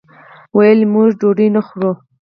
ویل یې موږ ډوډۍ نه خورو.